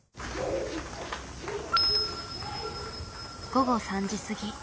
午後３時過ぎ。